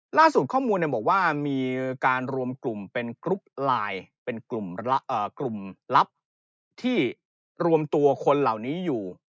ล่าสุดข้อมูลบอกว่ามีการรวมกลุ่มเป็นกรุ๊ปไลน์เป็นกลุ่มลับที่รวมตัวคนเหล่านี้อยู่